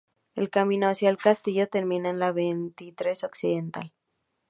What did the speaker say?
El camino hacia el castillo termina en la vertiente occidental.